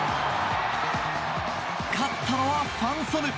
勝ったのはファン・ソヌ。